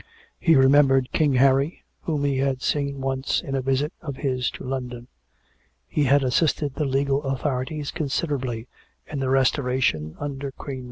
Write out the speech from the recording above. He remembered King Harry, whom he had seen once in a visit of his to London; he had as sisted tlie legal authorities considerably in the restoration under Queen